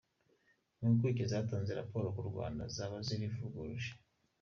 Impuguke zatanze raporo ku Rwanda zaba zarivuguruje